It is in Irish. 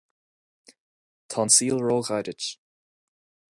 tá an saol róghairid